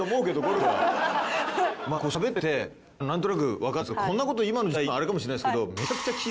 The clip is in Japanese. こうしゃべっててなんとなくわかったんですけどこんなこと今の時代言うのあれかもしれないですけど。